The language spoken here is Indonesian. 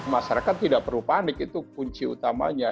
masyarakat tidak perlu panik itu kunci utamanya